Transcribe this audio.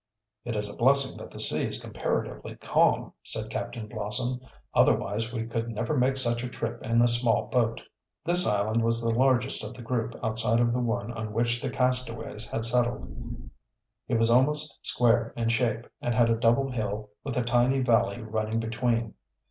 "It is a blessing that the sea is comparatively calm," said Captain Blossom. "Otherwise we could never make such a trip in a small boat." This island was the largest of the group outside of the one on which the castaways had settled. It was almost square in shape and had a double hill with a tiny valley running between.